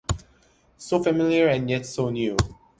So familiar and yet so new.